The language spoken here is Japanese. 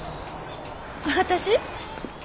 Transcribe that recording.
私？